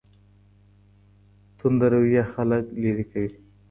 تنده رویه خلګ لیرې کوي.